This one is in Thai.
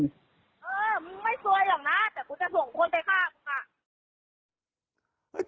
เออมึงไม่ซวยหรอกนะแต่กูจะส่งคนไปฆ่ากูค่ะ